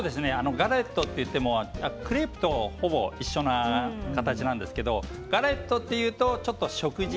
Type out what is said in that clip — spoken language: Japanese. ガレットといってもクレープと、ほぼ一緒な形なんですけどガレットというとちょっと食事